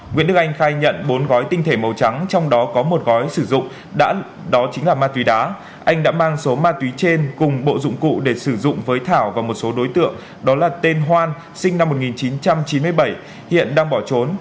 nguyễn đức anh khai nhận bốn gói tinh thể màu trắng trong đó có một gói sử dụng đó chính là ma túy đá anh đã mang số ma túy trên cùng bộ dụng cụ để sử dụng với thảo và một số đối tượng đó là tên hoan sinh năm một nghìn chín trăm chín mươi bảy hiện đang bỏ trốn